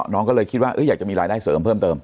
น้องก็เลยคิดว่าอยากจะมีรายได้เสริมเพิ่มเติม